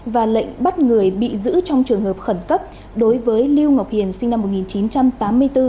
và lệnh bắt người bị giữ trong trường hợp khẩn cấp đối với lưu ngọc hiền sinh năm một nghìn chín trăm tám mươi bốn